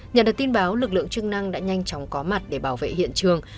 nhận được tin báo lực lượng chức năng đã nhanh chóng có mặt để bảo vệ hiện trường